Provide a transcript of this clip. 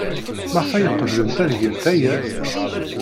Maɣef ay qeblent ad gent aya?